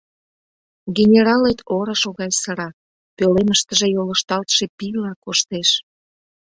Генералет орышо гай сыра, пӧлемыштыже йолышталтше пийла коштеш.